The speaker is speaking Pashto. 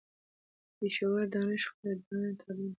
. پېښور: دانش خپرندويه ټولنه